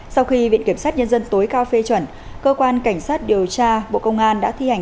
sau khi viện kiểm sát nhân dân tối cao phê chuẩn cơ quan cảnh sát điều tra bộ công an đã thi hành